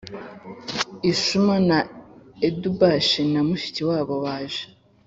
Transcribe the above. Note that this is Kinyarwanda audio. Ishuma na Idubashi na mushiki wabo baje